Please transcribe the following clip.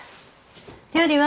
料理は？